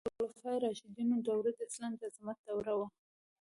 د خلفای راشدینو دوره د اسلام د عظمت دوره وه.